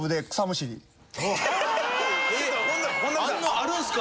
あるんですか？